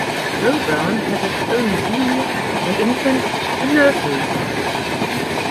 Bowburn has its own Junior and Infant and Nursery schools.